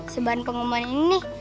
sebarin pengumuman ini nih